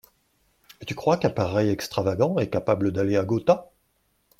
Et tu crois qu’un pareil extravagant est capable d’aller à Gotha !